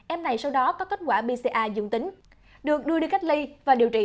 em này sau đó có kết quả bca dương tính được đưa đi cách ly và điều trị